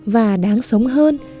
và đáng sống hơn